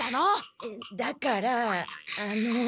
えっだからあの。